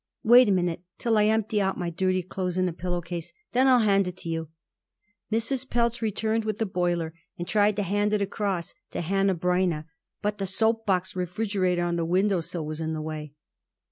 Wait a minute till I empty out my dirty clothes in a pillow case; then I'll hand it to you." Mrs. Pelz returned with the boiler and tried to hand it across to Hanneh Breineh, but the soap box refrigerator on the window sill was in the way.